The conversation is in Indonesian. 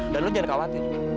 dan lu jangan khawatir